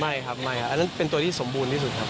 ไม่ครับไม่ครับอันนั้นเป็นตัวที่สมบูรณ์ที่สุดครับ